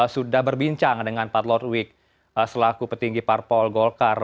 sudah berbincang dengan pat lordwick selaku petinggi parpol golkar